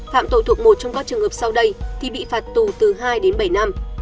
phạm tội thuộc một trong các trường hợp sau đây thì bị phạt tù từ hai đến bảy năm